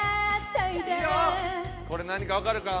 これ何かわかるか？